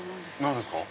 何ですか？